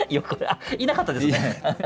いなかったですね。